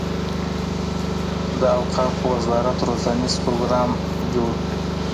د اوقافو وزارت روزنیز پروګرام جوړ کړي.